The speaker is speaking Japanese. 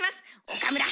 岡村